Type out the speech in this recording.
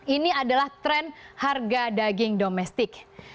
ini adalah tren harga daging domestik